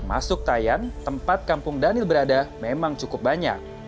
di suktaian tempat kampung daniel berada memang cukup banyak